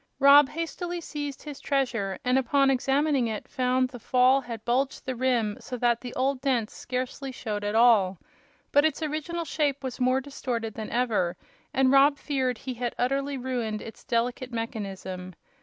Rob hastily seized his treasure and upon examining it found the fall had bulged the rim so that the old dents scarcely showed at all. But its original shape was more distorted than ever, and Rob feared he had utterly ruined its delicate mechanism.